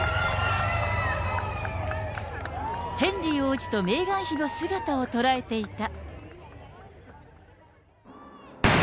ヘンリー王子とメーガン妃の姿を捉えていた。